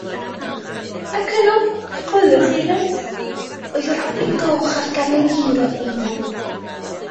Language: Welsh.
Ac yno, choeliech chi fyth, oedd y robin goch ar gangen hir o eiddew.